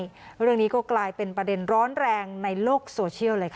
เรื่องนี้ก็กลายเป็นประเด็นร้อนแรงในโลกโซเชียลเลยค่ะ